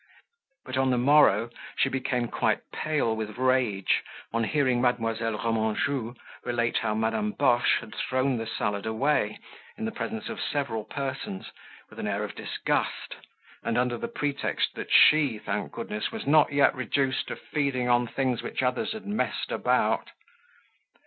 But on the morrow she became quite pale with rage on hearing Mademoiselle Remanjou relate how Madame Boche had thrown the salad away in the presence of several persons with an air of disgust and under the pretext that she, thank goodness, was not yet reduced to feeding on things which others had messed about.